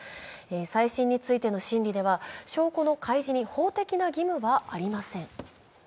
再審については、証拠の開示に法的な義務はありません。